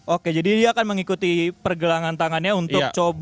oke jadi dia akan mengikuti pergelangan tangannya untuk coba